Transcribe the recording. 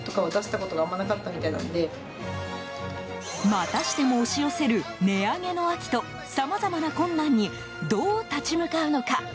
またしても押し寄せる値上げの秋と、さまざまな困難にどう立ち向かうのか？